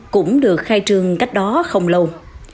cũng được khai trương cách đó không lâu